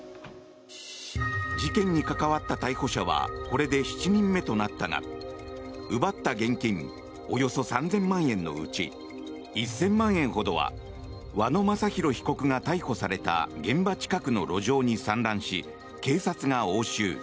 事件に関わった逮捕者はこれで７人目となったが奪った現金およそ３０００万円のうち１０００万円ほどは和野正弘容疑者が逮捕された現場近くの路上に散乱し警察が押収。